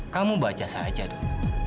kamu baca saja duk